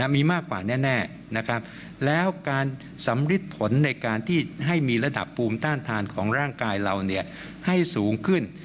มีมากกว่าแน่นะครับแล้วการสำริดผลในการที่ให้มีระดับภูมิต้านทานของร่างกายเราให้สูงขึ้น